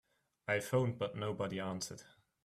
I phoned but nobody answered.